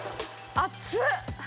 熱っ！